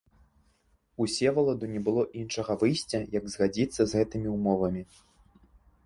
Усеваладу не было іншага выйсця, як згадзіцца з гэтымі ўмовамі.